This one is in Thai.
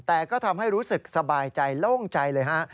แต่ก็ทำให้รู้สึกสบายใจโล่งใจเลยฮะ